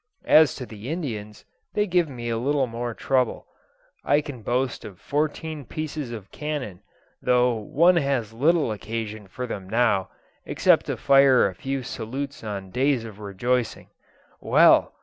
As to the Indians, they gave me a little more trouble. I can boast of fourteen pieces of cannon, though one has little occasion for them now, except to fire a few salutes on days of rejoicing. Well!